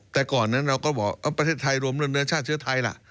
แต่ก่อนนั้นเราก็บอกประเทศไทยรวมเนื้อชาติเชื้อไทยล่ะ